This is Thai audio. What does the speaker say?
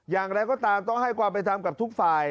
อย่างไรก็ตามต้องให้ความเป็นธรรมกับทุกฝ่าย